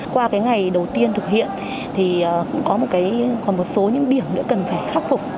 qua cái ngày đầu tiên thực hiện thì cũng có một số những điểm nữa cần phải khắc phục